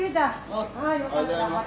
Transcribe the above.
あおはようございます。